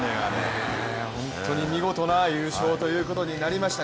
本当に見事な優勝ということになりました。